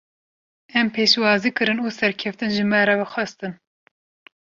Em pêşwazî kirin û serkeftin ji me re xwestin.